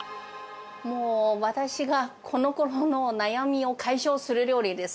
もう私が、このごろの悩みを解消する料理です。